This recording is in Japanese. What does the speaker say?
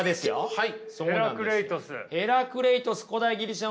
はい。